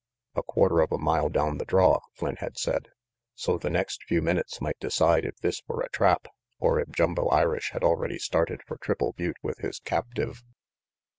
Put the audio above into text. A quarter of a mile down the draw, Flynn had said. So the next few minutes might decide if this were a trap, or if Jumbo Irish had already started for Triple Butte with his captive.